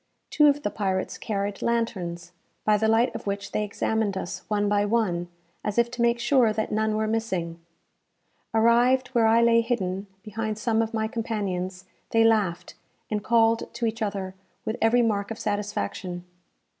Two of the pirates carried lanterns, by the light of which they examined us one by one, as if to make sure that none were missing. Arrived where I lay hidden behind some of my companions, they laughed, and called to each other with every mark of satisfaction.